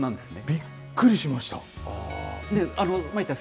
びっくりしました。